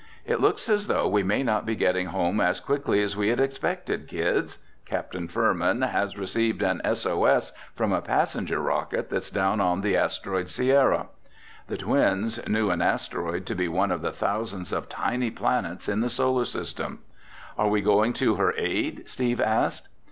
"It looks as though we may not be getting home as quickly as we had expected, kids. Captain Furman has received an S. O. S. from a passenger rocket that's down on the asteroid, Sierra." The twins knew an asteroid to be one of the thousands of tiny planets in the Solar System. "Are we going to her aid?" Steve asked.